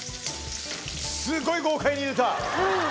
すっごい豪快に入れた！